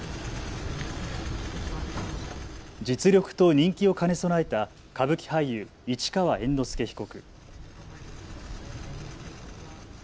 実力と人気を兼ね備えた歌舞伎俳優、市川猿之助被告。